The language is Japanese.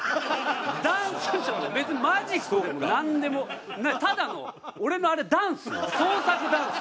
ダンスショー別にマジックでもなんでもないただの俺のあれダンス創作ダンス。